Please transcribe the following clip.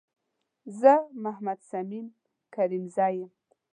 زه محمد صميم کريمزی یم